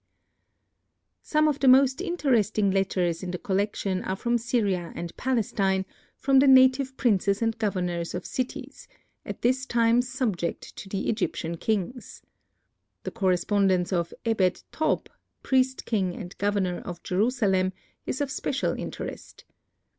Some of the most interesting letters in the collection are from Syria and Palestine, from the native princes and governors of cities, at this time subject to the Egyptian kings. The correspondence of Ebed tob, priest king and governor of Jerusalem, is of special interest.